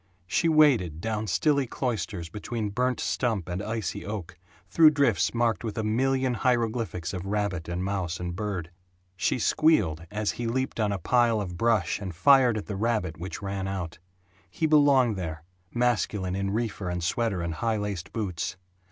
She waded down stilly cloisters between burnt stump and icy oak, through drifts marked with a million hieroglyphics of rabbit and mouse and bird. She squealed as he leaped on a pile of brush and fired at the rabbit which ran out. He belonged there, masculine in reefer and sweater and high laced boots.